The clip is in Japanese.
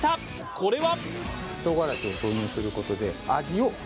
これは？